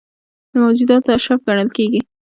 د موجوداتو اشرف ګڼل کېږي.